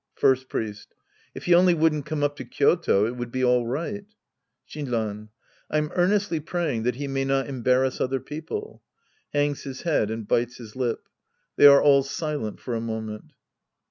First Priest. If he only wouldn't come up to Kyoto, it would be all right. Shinran. I'm earnestly praying that he may not embarrass other people. {Hangs his head and bites his lip. They are all silent for a moment.)